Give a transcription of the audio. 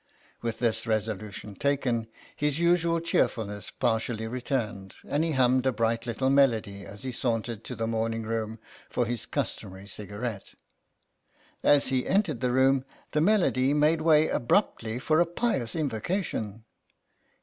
With this resolution taken, his usual cheer fulness partially returned, and he hummed a bright little melody as he sauntered to the morning room for his customary cigarette. As he entered the room the melody made way abruptly for a pious invocation.